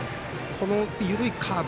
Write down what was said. この緩いカーブ。